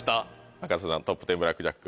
赤楚さんトップ１０ブラックジャック。